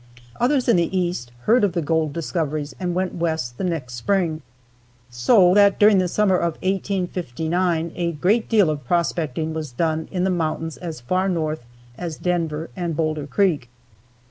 Others in the East heard of the gold discoveries and went West the next spring; so that during the summer of 1859 a great deal of prospecting was done in the mountains as far north as Denver and Boulder Creek.